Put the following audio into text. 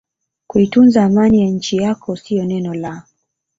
kuitunza Amani ya nchi yako sio neno la